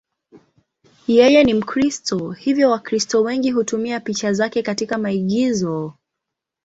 Yeye ni Mkristo, hivyo Wakristo wengi hutumia picha zake katika maigizo.